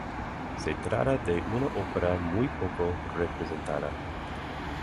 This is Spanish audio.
Se trata de una ópera muy poco representada.